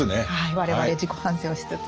我々自己反省をしつつ。